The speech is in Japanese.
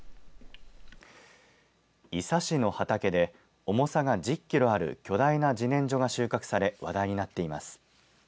伊佐市の畑で重さが１０キロある巨大なじねんじょが収穫され、話題になっています。